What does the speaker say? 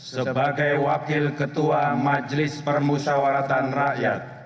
sebagai wakil ketua majelis permusawaratan rakyat